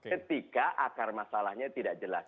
ketika akar masalahnya tidak jelas